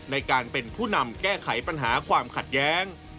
ในการเป็นผู้นำแก้ไขปัญหาความขัดแย้ง